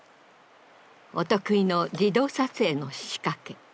お得意の自動撮影の仕掛け。